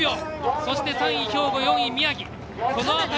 そして３位兵庫、４位、宮城。